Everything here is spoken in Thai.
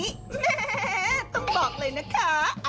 แหมต้องบอกเลยนะคะ